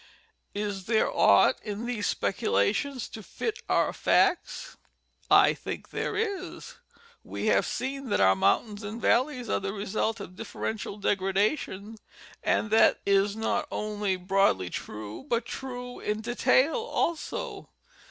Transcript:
Is there aught in these speculations to fit our facts? 1 think there is. We have seen that our mountains and valleys are the result of differential degradation, and that this is not only broadly true but true in detail also.